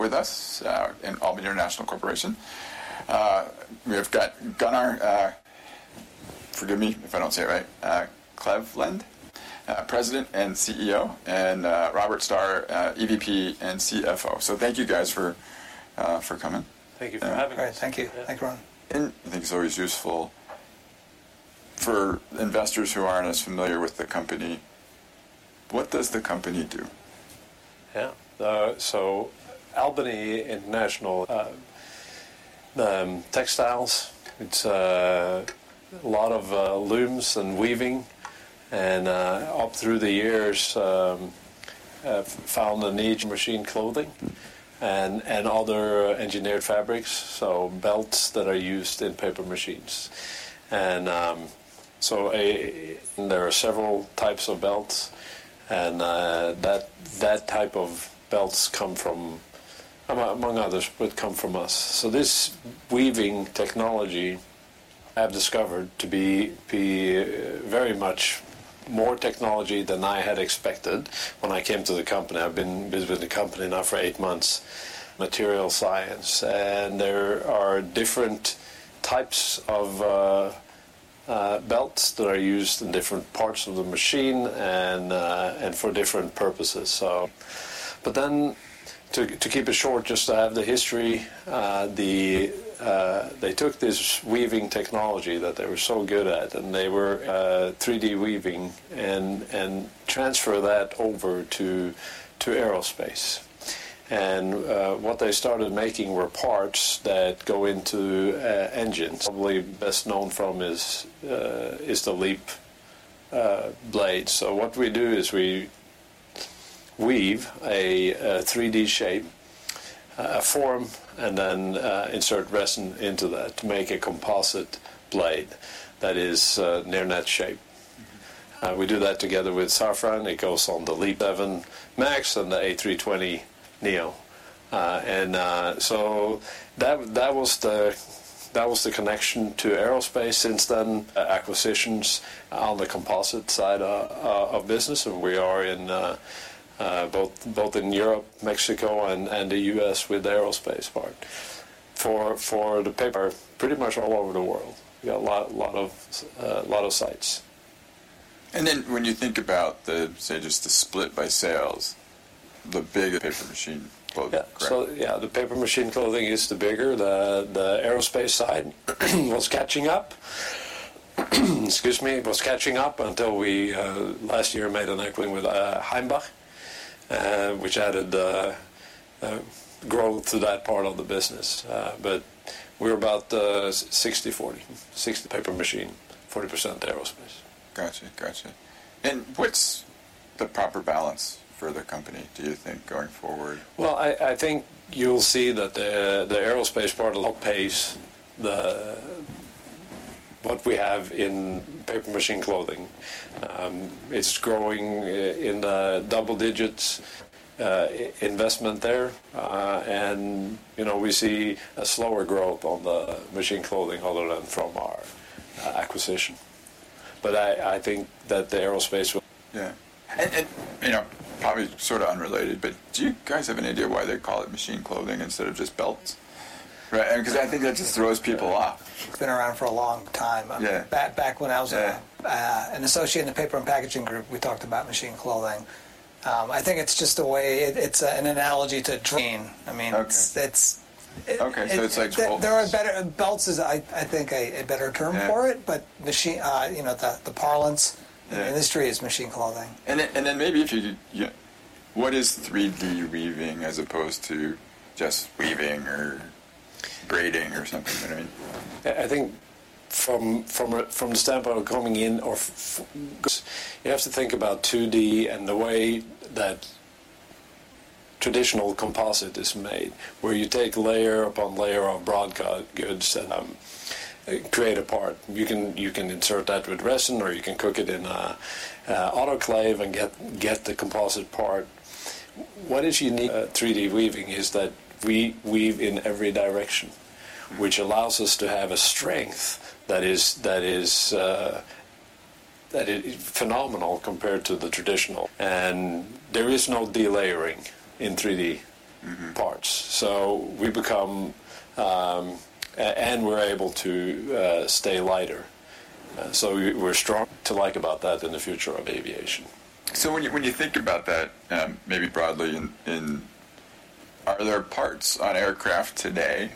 With us in Albany International Corporation. We've got Gunnar, forgive me if I don't say it right, Kleveland, President and CEO, and Robert Starr, EVP and CFO. So thank you guys for coming. Thank you for having us. All right. Thank you. Thank you, Ron. I think it's always useful for investors who aren't as familiar with the company. What does the company do? Yeah. So Albany International. Textiles. It's a lot of looms and weaving. And up through the years, found the need. Machine clothing and other engineered fabrics, so belts that are used in paper machines. And so. There are several types of belts, and that type of belts come from, among others, would come from us. So this weaving technology I've discovered to be very much more technology than I had expected when I came to the company. I've been busy with the company now for eight months. Material science. And there are different types of belts that are used in different parts of the machine and for different purposes. But then, to keep it short, just to have the history, they took this weaving technology that they were so good at, and they were. 3D weaving and transfer that over to aerospace. What they started making were parts that go into engines. Probably best known for is the LEAP blade. So what we do is we weave a 3D shape, a form, and then insert resin into that to make a composite blade that is near-net shape. We do that together with Safran. It goes on the LEAP 737 MAX and the A320neo. And so that was the connection to aerospace since then. Acquisitions on the composite side of business, and we are both in Europe, Mexico, and the U.S. with the aerospace part, we are pretty much all over the world. We got a lot of sites. And then when you think about, say, just the split by sales, the big Paper Machine Clothing, correct? Yeah. So yeah, the paper machine clothing is the bigger. The aerospace side was catching up. Excuse me. It was catching up until we last year made an equity with Heimbach, which added growth to that part of the business. But we're about 60/40, 60% paper machine, 40% aerospace. Gotcha. Gotcha. What's the proper balance for the company, do you think, going forward? Well, I think you'll see that the aerospace part outpaced what we have in paper machine clothing. It's growing in the double-digit investment there, and we see a slower growth on the machine clothing other than from our acquisition. But I think that the aerospace. Yeah. And probably sort of unrelated, but do you guys have an idea why they call it Machine Clothing instead of just belts? Right? Because I think that just throws people off. It's been around for a long time. Back when I was an associate in the paper and packaging group, we talked about machine clothing. I think it's just a way. It's an analogy to machine. I mean, it's. Okay. So it's like gold. Belts is, I think, a better term for it. But the parlance in the industry is machine clothing. What is 3D weaving as opposed to just weaving or braiding or something? You know what I mean? I think from the standpoint of coming in, you have to think about 2D and the way that traditional composite is made, where you take layer upon layer of broad goods and create a part. You can insert that with resin, or you can cook it in autoclave and get the composite part. What is unique in 3D weaving is that we weave in every direction, which allows us to have a strength that is phenomenal compared to the traditional. There is no delayering in 3D parts. We become and we're able to stay lighter. We're strong, so I like about that in the future of aviation. So when you think about that, maybe broadly, are there parts on aircraft today,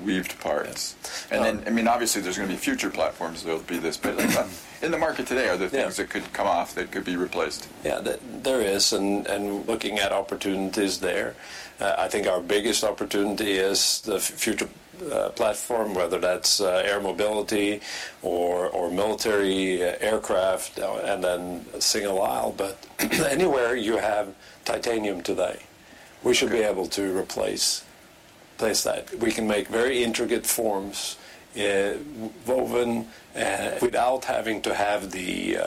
woven parts? And then, I mean, obviously, there's going to be future platforms. There'll be this. But in the market today, are there things that could come off that could be replaced? Yeah. There is. And looking at opportunities there, I think our biggest opportunity is the future platform, whether that's air mobility or military aircraft and then single aisle. But anywhere you have titanium today, we should be able to replace that. We can make very intricate forms woven without having to have the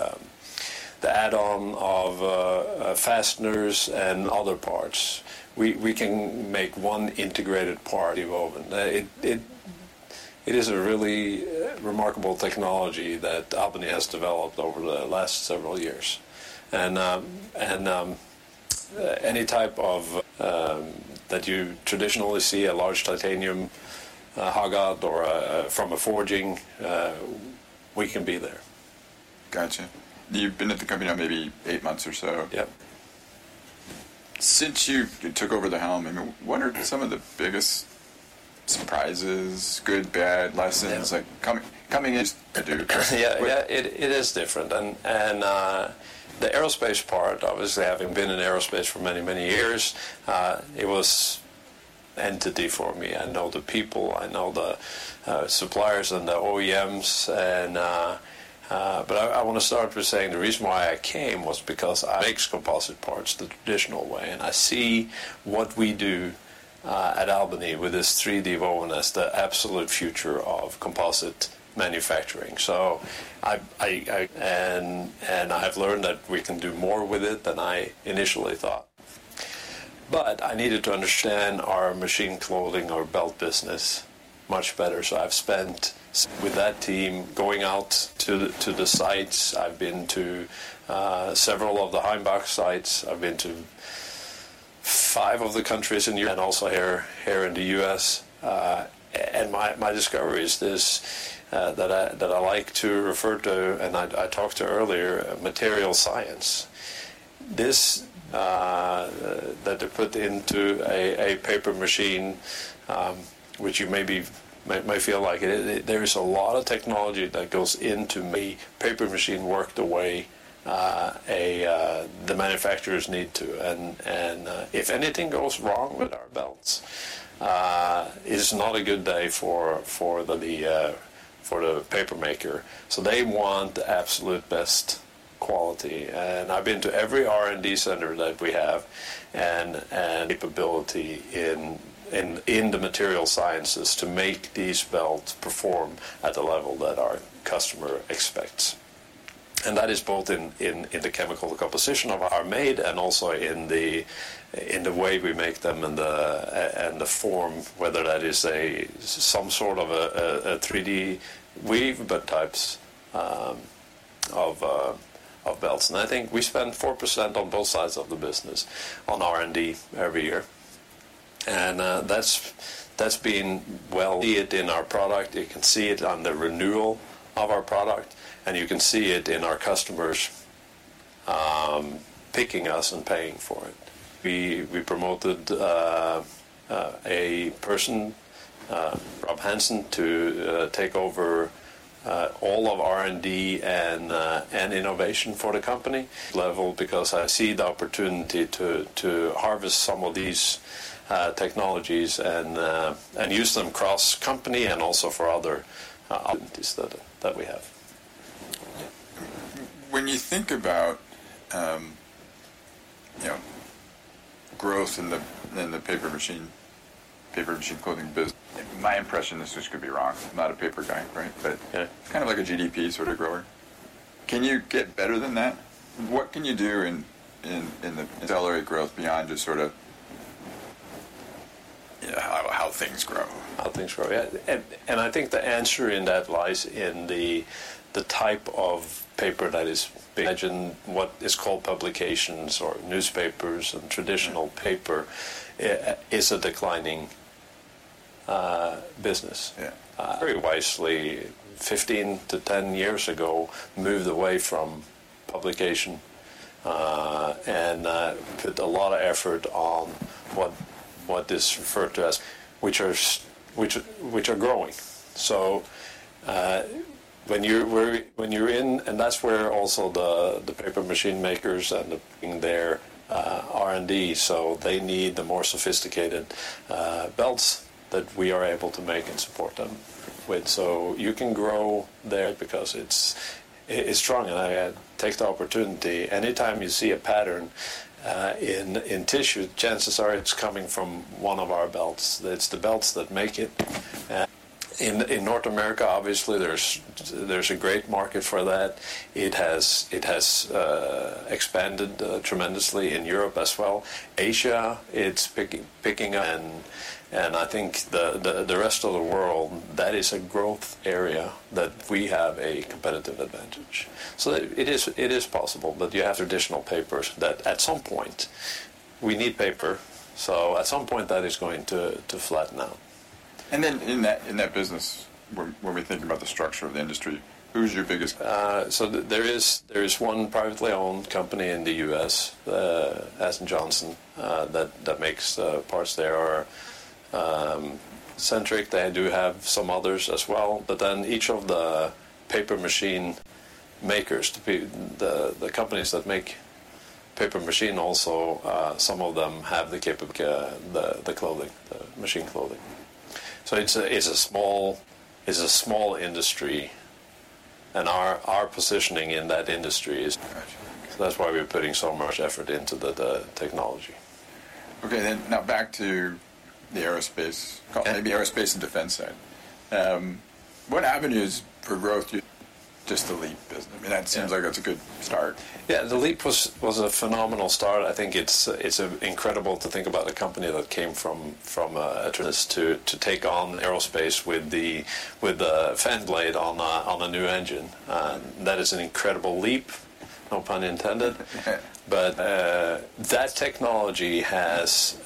add-on of fasteners and other parts. We can make one integrated part. Woven. It is a really remarkable technology that Albany has developed over the last several years. And any type of that you traditionally see, a large titanium hog-out or from a forging, we can be there. Gotcha. You've been at the company now maybe eight months or so. Yep. Since you took over the helm, I mean, what are some of the biggest surprises, good, bad lessons coming? Used to do. Yeah. Yeah. It is different. The aerospace part, obviously, having been in aerospace for many, many years, it was entry for me. I know the people. I know the suppliers and the OEMs. But I want to start by saying the reason why I came was because makes composite parts the traditional way. I see what we do at Albany with this 3D woven as the absolute future of composite manufacturing. And I have learned that we can do more with it than I initially thought. But I needed to understand our machine clothing, our belt business, much better. So I've spent with that team going out to the sites. I've been to several of the Heimbach sites. I've been to five of the countries in. And also here in the U.S. My discovery is this that I like to refer to, and I talked to earlier, material science. This that they put into a paper machine, which you may feel like there is a lot of technology that goes into. A paper machine work the way the manufacturers need to. And if anything goes wrong with our belts, it's not a good day for the paper maker. So they want the absolute best quality. And I've been to every R&D center that we have and capability in the material sciences to make these belts perform at the level that our customer expects. And that is both in the chemical composition of our made and also in the way we make them and the form, whether that is some sort of a 3D weave types of belts. I think we spend 4% on both sides of the business on R&D every year. That's been well. You can see it in our product. You can see it on the renewal of our product, and you can see it in our customers picking us and paying for it. We promoted a person, Rob Hansen, to take over all of R&D and innovation for the company. Level because I see the opportunity to harvest some of these technologies and use them cross-company and also for other. Is that we have. When you think about growth in the paper machine clothing. My impression is this could be wrong. I'm not a paper guy, right? But it's kind of like a GDP sort of grower. Can you get better than that? What can you do in the salary growth beyond just sort of how things grow? How things grow. Yeah. And I think the answer in that lies in the type of paper that is. Imagine what is called publications or newspapers and traditional paper is a declining business, very wisely. 15-10 years ago, moved away from publication and put a lot of effort on what is referred to as. Which are growing. So when you're in and that's where also the paper machine makers and the. Their R&D. So they need the more sophisticated belts that we are able to make and support them with. So you can grow there. Because it's strong. And I take the opportunity. Anytime you see a pattern in tissue, chances are it's coming from one of our belts. It's the belts that make it. In North America, obviously, there's a great market for that. It has expanded tremendously in Europe as well. Asia, it's picking. I think the rest of the world, that is a growth area that we have a competitive advantage. So it is possible, but. Traditional papers that at some point we need paper. So at some point, that is going to flatten out. And then in that business, when we think about the structure of the industry, who's your biggest? So there is one privately owned company in the U.S., AstenJohnson, that makes parts. They are centric. They do have some others as well. But then each of the paper machine makers, the companies that make paper machine, also some of them have the clothing, the machine clothing. So it's a small industry, and our positioning in that industry. So that's why we're putting so much effort into the technology. Okay. Now back to the aerospace, maybe aerospace and defense side. What avenues for growth? Just the LEAP business. I mean, that seems like it's a good start. Yeah. The LEAP was a phenomenal start. I think it's incredible to think about a company that came from a is to take on aerospace with the fan blade on a new engine. That is an incredible leap, no pun intended. But that technology has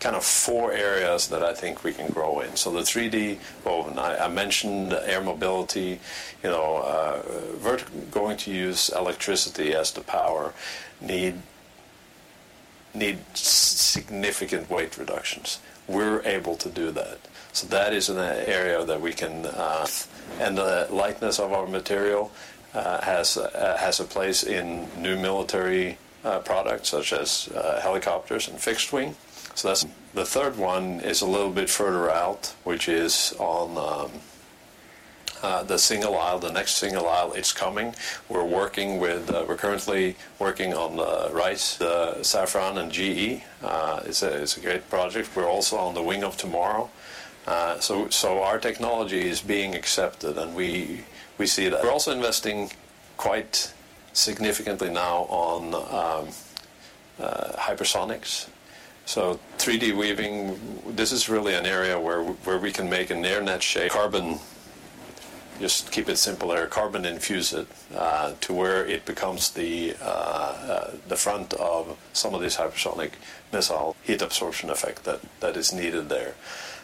kind of four areas that I think we can grow in. So the 3D woven. I mentioned air mobility. Going to use electricity as the power needs significant weight reductions. We're able to do that. So that is an area that we can. And the lightness of our material has a place in new military products such as helicopters and fixed wing. So the third one is a little bit further out, which is on the single aisle. The next single aisle, it's coming. We're currently working on the RISE. The Safran and GE is a great project. We're also on the Wing of Tomorrow. So our technology is being accepted, and we see also investing quite significantly now on hypersonics. So 3D weaving, this is really an area where we can make a near-net shape. Carbon just keep it simple there. Carbon infuse it to where it becomes the front of some of these hypersonic missiles. Heat absorption effect that is needed there.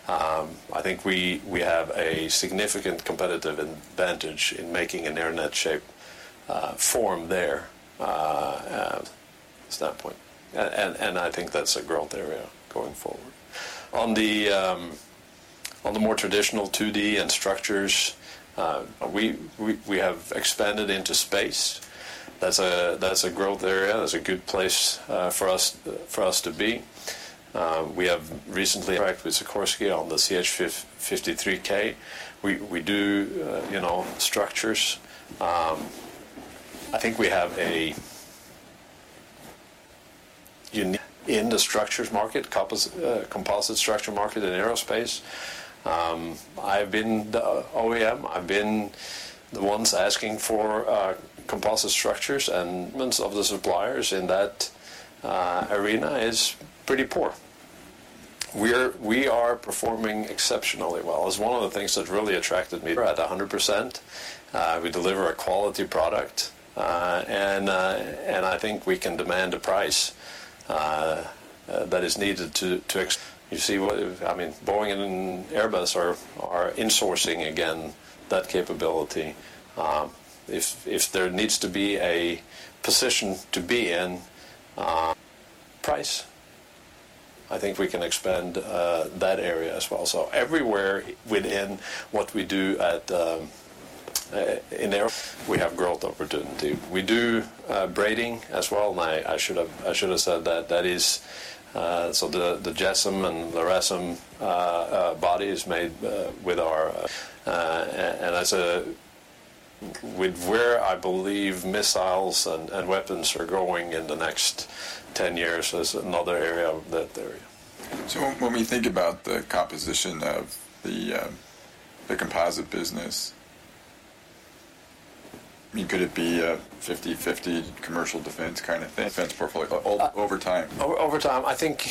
I think we have a significant competitive advantage in making a near-net shape form there. Standpoint. And I think that's a growth area going forward. On the more traditional 2D structures, we have expanded into space. That's a growth area. That's a good place for us to be. We have recently with Sikorsky on the CH-53K. We do structures. I think we have a unique in the structures market, composite structure market in aerospace. I've been the OEM. I've been the ones asking for composite structures. Of the suppliers in that arena is pretty poor. We are performing exceptionally well. It's one of the things that really attracted me. At 100%. We deliver a quality product, and I think we can demand a price that is needed to. You see what I mean, Boeing and Airbus are insourcing, again, that capability. If there needs to be a position to be in. Price. I think we can expand that area as well. So everywhere within what we do in. We have growth opportunity. We do braiding as well. And I should have said that. So the JASSM and the LRASM body is made with our. And that's where I believe missiles and weapons are going in the next 10 years as another area. When we think about the composition of the composite business, I mean, could it be a 50/50 commercial defense kind of thing? Defense portfolio over time. Over time, I think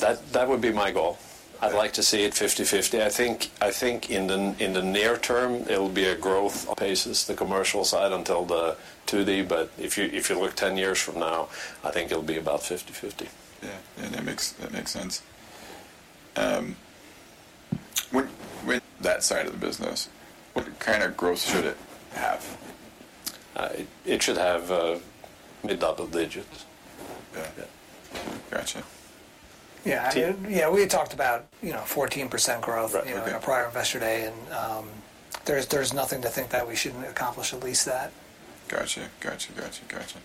that would be my goal. I'd like to see it 50/50. I think in the near term, it'll be a growth. Paces the commercial side until the 2D. But if you look 10 years from now, I think it'll be about 50/50. Yeah. Yeah. That makes sense. That side of the business, what kind of growth should it have? It should have mid-double digits. Yeah. Gotcha. Yeah. We had talked about 14% growth prior to yesterday. There's nothing to think that we shouldn't accomplish at least that. Gotcha. Gotcha. Gotcha. Gotcha.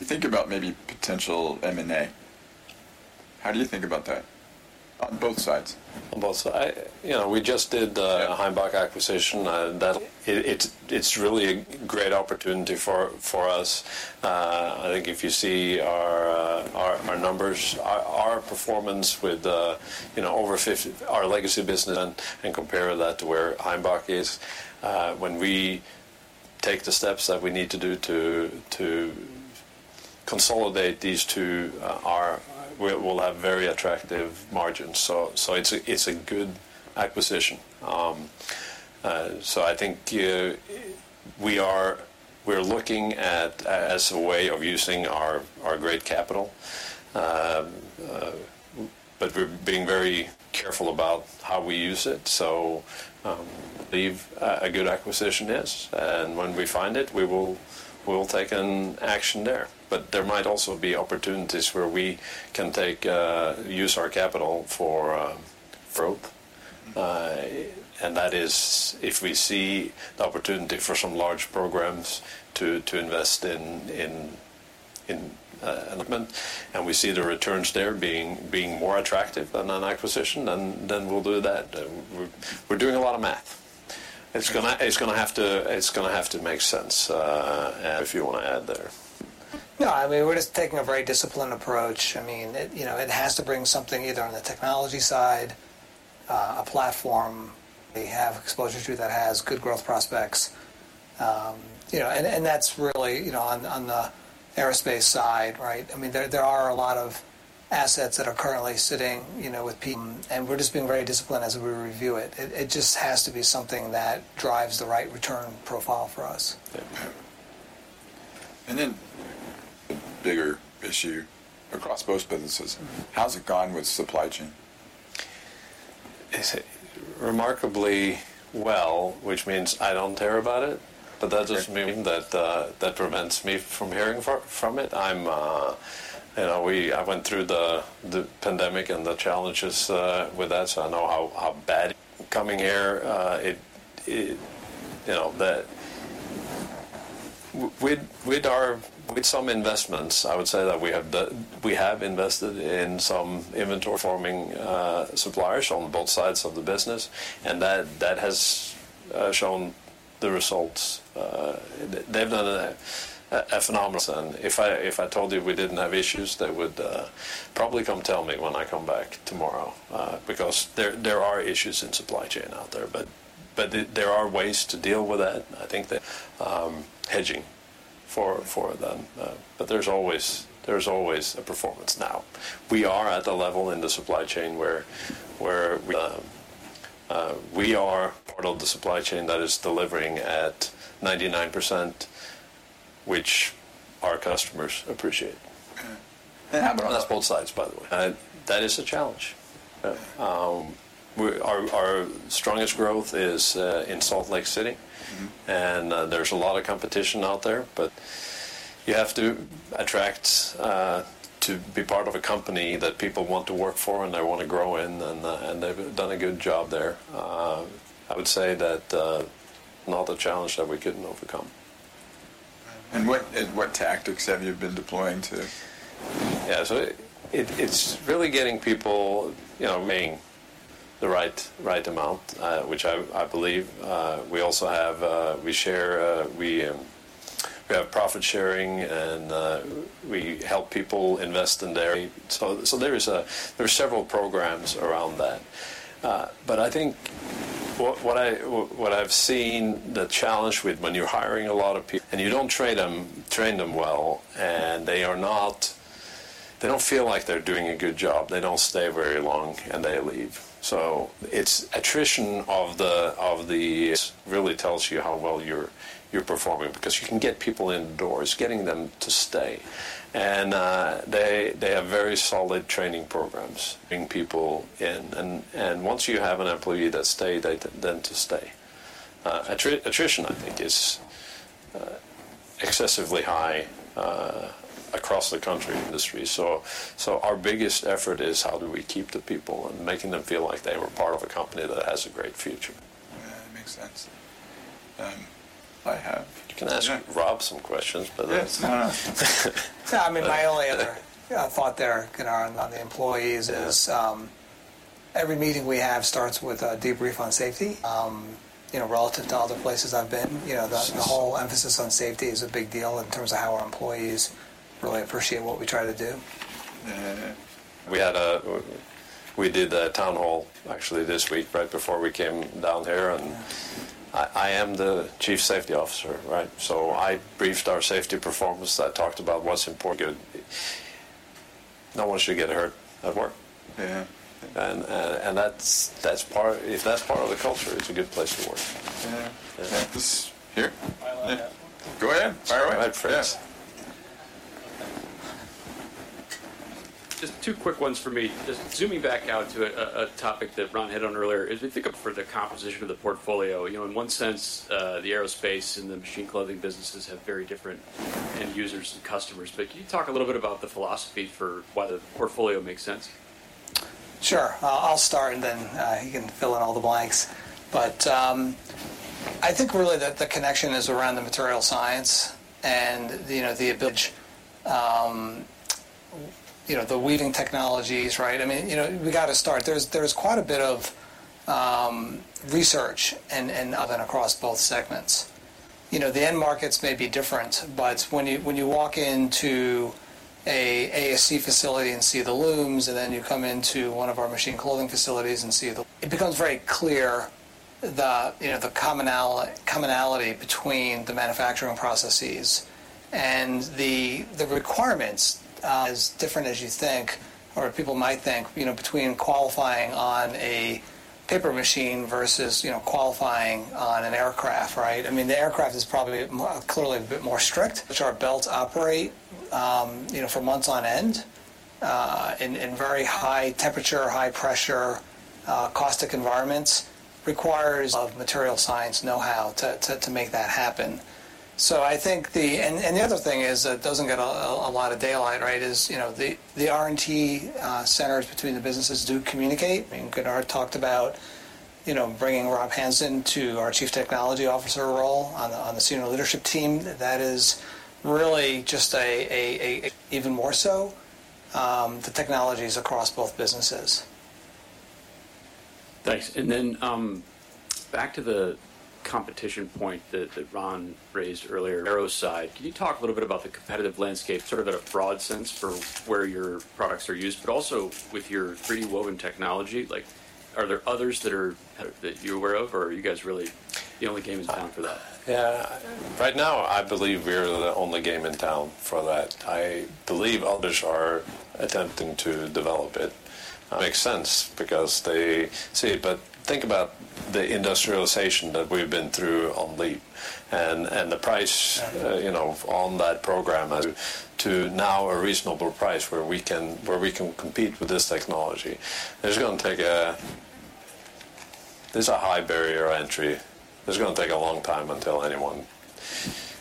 Think about maybe potential M&A. How do you think about that on both sides? On both sides. We just did the Heimbach acquisition. It's really a great opportunity for us. I think if you see our numbers, our performance with over 50 our legacy business. And compare that to where Heimbach is. When we take the steps that we need to do to consolidate these two, we'll have very attractive margins. So it's a good acquisition. So I think we're looking at as a way of using our great capital. But we're being very careful about how we use it. Believe a good acquisition is. And when we find it, we will take an action there. But there might also be opportunities where we can use our capital for growth. And that is if we see the opportunity for some large programs to invest in an. And we see the returns there being more attractive than an acquisition, then we'll do that. We're doing a lot of math. It's going to have to make sense. You want to add there. No. I mean, we're just taking a very disciplined approach. I mean, it has to bring something either on the technology side, a platform. We have exposure to that has good growth prospects. And that's really on the aerospace side, right? I mean, there are a lot of assets that are currently sitting with. And we're just being very disciplined as we review it. It just has to be something that drives the right return profile for us. And then, bigger issue across both businesses. How's it gone with supply chain? Remarkably well, which means I don't hear about it. But that doesn't prevent me from hearing about it. I went through the pandemic and the challenges with that, so I know how bad. Coming here, with some investments, I would say that we have invested in some performing suppliers on both sides of the business. And that has shown the results. They've done a phenomenal. And if I told you we didn't have issues, they would probably come tell me when I come back tomorrow because there are issues in supply chain out there. But there are ways to deal with that. I think. Hedging for them. But there's always a performance now. We are at the level in the supply chain where we are part of the supply chain that is delivering at 99%, which our customers appreciate. And that's both sides, by the way. That is a challenge. Our strongest growth is in Salt Lake City. There's a lot of competition out there. But you have to attract to be part of a company that people want to work for and they want to grow in. They've done a good job there. I would say that. Not a challenge that we couldn't overcome. What tactics have you been deploying to? Yeah. So it's really getting people, paying the right amount, which I believe we also have. We share. We have profit sharing, and we help people invest in their. So there are several programs around that. But I think what I've seen the challenge with when you're hiring a lot of and you don't train them well, and they don't feel like they're doing a good job. They don't stay very long, and they leave. So it's attrition of the really tells you how well you're performing because you can get people indoors, getting them to stay. And they have very solid training programs. People in. And once you have an employee that stayed, then to stay. Attrition, I think, is excessively high across the country industry. Our biggest effort is how do we keep the people and making them feel like they were part of a company that has a great future. Yeah. That makes sense. I have. You can ask Rob some questions, but. Yeah. No, no. Yeah. I mean, my only thought there on the employees is every meeting we have starts with a debrief on safety. Relative to other places I've been, the whole emphasis on safety is a big deal in terms of how our employees really appreciate what we try to do. We did a town hall, actually, this week right before we came down here. And I am the chief safety officer, right? So I briefed our safety performance. I talked about what's important. Good. No one should get hurt at work. And if that's part of the culture, it's a good place to work. Yeah. Yeah. This here? I like that one. Go ahead. Fire away. All right, friends. Just two quick ones for me. Just zooming back out to a topic that Ron hit on earlier is if we think for the composition of the portfolio. In one sense, the aerospace and the Machine Clothing businesses have very different end users and customers. But can you talk a little bit about the philosophy for why the portfolio makes sense? Sure. I'll start, and then he can fill in all the blanks. But I think really that the connection is around the material science and the weaving technologies, right? I mean, we got to start. There's quite a bit of research and across both segments. The end markets may be different, but when you walk into an AEC facility and see the looms, and then you come into one of our machine clothing facilities and see, it becomes very clear the commonality between the manufacturing processes and the requirements. As different as you think or people might think between qualifying on a paper machine versus qualifying on an aircraft, right? I mean, the aircraft is probably clearly a bit more strict. Our belts operate for months on end in very high temperature, high pressure, caustic environments requires of material science know-how to make that happen. And the other thing is that doesn't get a lot of daylight, right, is the R&D centers between the businesses do communicate. I mean, Gunnar talked about bringing Rob Hansen to our Chief Technology Officer role on the senior leadership team. That is really just even more so, the technologies across both businesses. Thanks. And then back to the competition point that Ron raised earlier. Aero side, can you talk a little bit about the competitive landscape sort of in a broad sense for where your products are used, but also with your 3D woven technology? Are there others that you're aware of, or are you guys really the only game in town for that? Yeah. Right now, I believe we're the only game in town for that. I believe others are attempting to develop it. Makes sense because they see. But think about the industrialization that we've been through on LEAP and the price on that program. To now a reasonable price where we can compete with this technology. There's going to take a there's a high barrier entry. There's going to take a long time until anyone.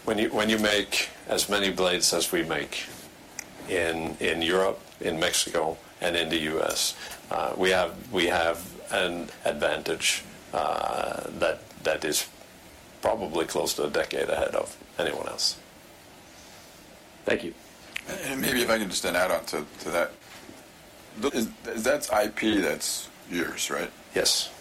When you make as many blades as we make in Europe, in Mexico, and in the U.S., we have an advantage that is probably close to a decade ahead of anyone else. Thank you. Maybe if I can just add on to that. Is that IP that's yours, right? Yes.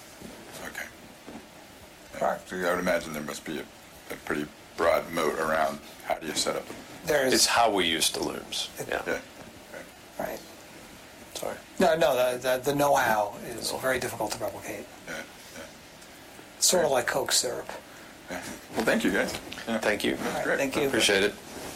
Okay. I would imagine there must be a pretty broad moat around how do you set up? It's how we use the looms. Yeah. Right. Sorry. No, no. The know-how is very difficult to replicate. Sort of like Coke syrup. Well, thank you, guys. Thank you. All right. Thank you. All right. Appreciate it.